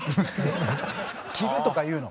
「斬る」とか言うの？